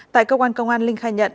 tại công an công an linh khai nhận